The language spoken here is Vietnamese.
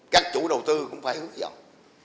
các chủ đầu tư cũng phải hướng dọng